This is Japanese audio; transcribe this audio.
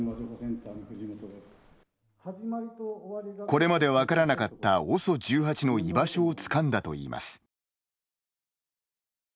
これまで分からなかったＯＳＯ１８の居場所をつかんだといいます。